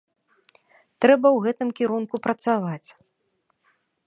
Трэба ў гэтым кірунку працаваць.